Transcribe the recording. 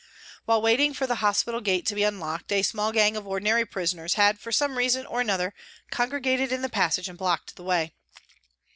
While waiting for the hospital gate to be unlocked a small gang of ordinary prisoners had for some reason or another congregated in the passage and blocked the way.